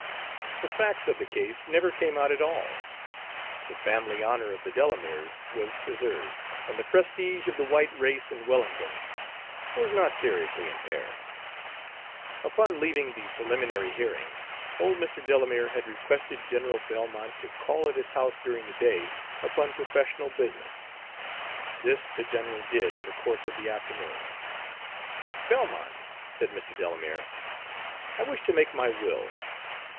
The facts of the case never came out at all. The family honor of the Delameres was preserved, and the prestige of the white race in Wellington was not seriously impaired. Upon leaving the preliminary hearing, old Mr. Delamere had requested General Belmont to call at his house during the day upon professional business. This the general did in the course of the afternoon. "Belmont," said Mr. Delamere, "I wish to make my will.